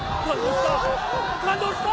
感動した！